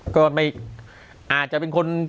ก็ไม่อาจจะเป็นคน